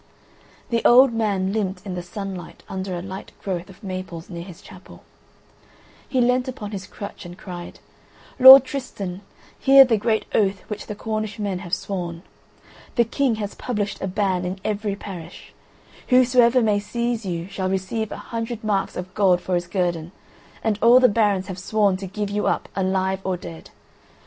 The old man limped in the sunlight under a light growth of maples near his chapel: he leant upon his crutch, and cried: "Lord Tristan, hear the great oath which the Cornish men have sworn. The King has published a ban in every parish: Whosoever may seize you shall receive a hundred marks of gold for his guerdon, and all the barons have sworn to give you up alive or dead.